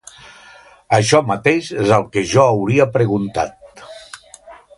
Això mateix és el que jo hauria preguntat.